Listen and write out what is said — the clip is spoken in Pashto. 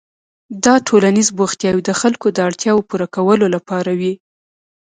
دا ټولنیز بوختیاوې د خلکو د اړتیاوو پوره کولو لپاره وې.